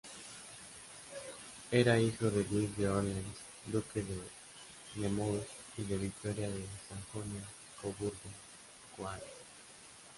Era hijo de Luis de Orleans, duque de Nemours y de Victoria de Sajonia-Coburgo-Kohary.